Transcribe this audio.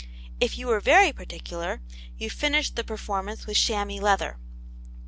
If you were very particular you finished the performance with chamois leather.